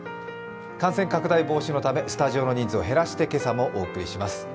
感染拡大防止のためスタジオの人数を減らしてお送りします。